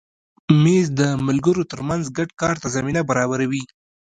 مېز د ملګرو تر منځ ګډ کار ته زمینه برابروي.